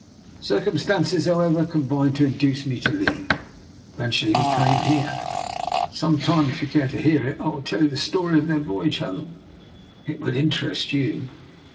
Cir cumstances, however, combined to induce me to leave. Eventually we came here. Some time, if you care to hear it, I will tell you the story of their voyage home. It would in terest you.'